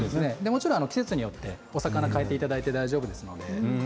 季節によってお魚を代えていただいて大丈夫です。